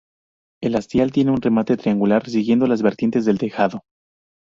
El hastial tiene remate triangular, siguiendo las vertientes del tejado.